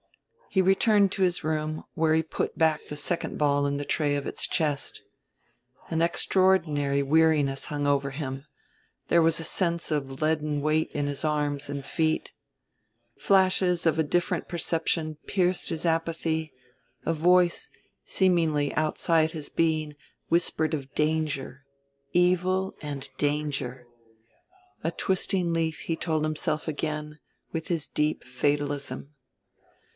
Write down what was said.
He returned to his room, where he put back the second ball in the tray of its chest. An extraordinary weariness hung over him, there was a sense of leaden weight in his arms and feet. Flashes of a different perception pierced his apathy; a voice, seemingly outside his being, whispered of danger, evil and danger.... A twisting leaf, he told himself again with his deep fatalism.